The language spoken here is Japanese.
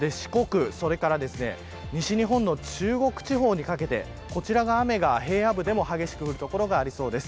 四国、それから西日本の中国地方にかけてこちら雨が平野部でも激しく降る所がありそうです。